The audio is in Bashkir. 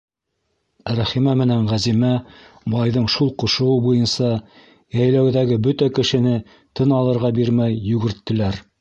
Рәхимә менән Ғәзимә, байҙың шул ҡушыуы буйынса, йәйләүҙәге бөтә кешене тын алырға бирмәй йүгерттеләр.